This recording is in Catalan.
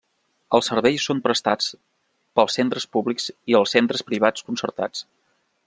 Els serveis són prestats pels centres públics i els centres privats concertats.